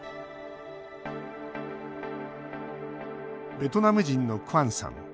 ベトナム人のクアンさん。